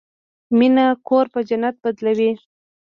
مینه کور په جنت بدلوي.